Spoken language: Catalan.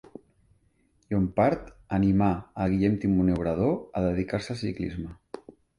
Llompart animà a Guillem Timoner Obrador a dedicar-se al ciclisme.